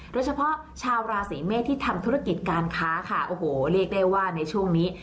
โดยเฉพาะชาวราศีเมษที่ทำธุรกิจการค้าค่ะโอ้โหเรียกได้ว่าในช่วงนี้